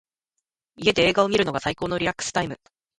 家で映画を観るのが最高のリラックスタイム。